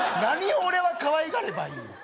何を俺はかわいがればいい？